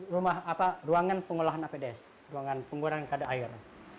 rumah apa ruangan pengolahan apds ruangan pengolahan kada air